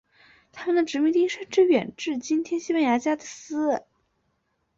他们的殖民地甚至远至今天西班牙加的斯。